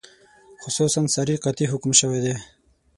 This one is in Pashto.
خصوصاً صریح قاطع حکم شوی دی.